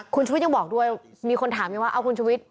คุณชุวิตยังบอกด้วยมีคนถามอยู่ว่าเอาคุณชุวิต